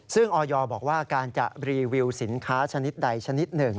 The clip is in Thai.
ซึ่งออยบอกว่าการจะรีวิวสินค้าชนิดใดชนิดหนึ่ง